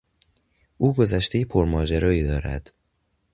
او گذشتهی پرماجرایی دارد.